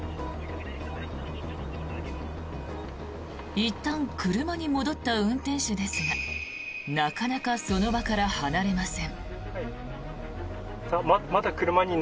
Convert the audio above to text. いったん車に戻った運転手ですがなかなかその場から離れません。